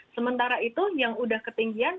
sementara itu yang udah ketinggian